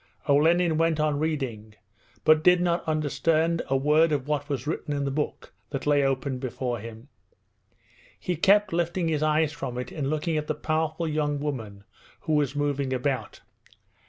Olenin went on reading, but did not understand a word of what was written in the book that lay open before him. He kept lifting his eyes from it and looking at the powerful young woman who was moving about.